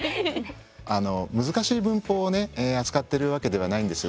あの難しい文法をね扱ってるわけではないんです。